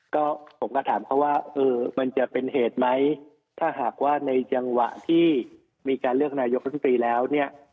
ก็ผมก็ถามเขาว่าเออมันจะเป็นเหตุไหมถ้าหากว่าในจังหวะที่มีการเลือกนายกรัฐมนตรีแล้วเนี่ย